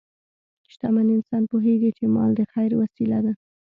شتمن انسان پوهېږي چې مال د خیر وسیله ده.